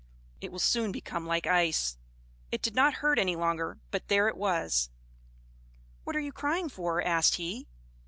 It will soon become like ice. It did not hurt any longer, but there it was. "What are you crying for?" asked he.